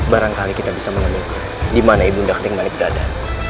barangkali kita bisa menemukan dimana ibunda kering manik terada